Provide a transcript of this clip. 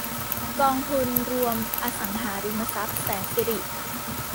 กองทุนรวมอสังหาริมทรัพย์แสนสิริ